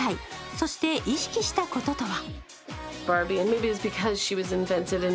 そして、意識したこととは？